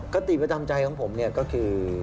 คติประจำใจของผมเนี่ยก็คือ